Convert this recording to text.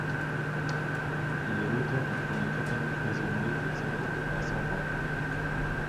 Il est l'auteur du premier catalogue raisonné des œuvres de Vincent van Gogh.